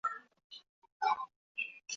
被毛隙蛛为暗蛛科隙蛛属的动物。